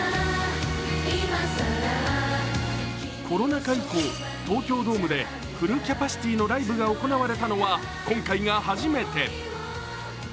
コロナ禍以降東京ドームでフルキャパシティのライブが行われたのは今回が初めて。